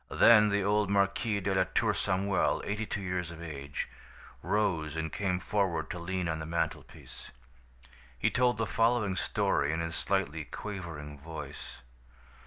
Then the old Marquis de la Tour Samuel, eighty two years of age, rose and came forward to lean on the mantelpiece. He told the following story in his slightly quavering voice.